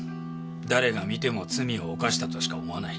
誰が見ても罪を犯したとしか思わない。